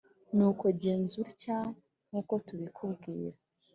Nuko genza utya nk uko tukubwira